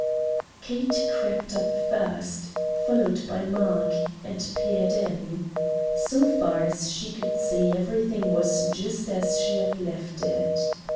Kate crept up first, followed by Mark, and peered in. So far as she could see everything was just as she had left it.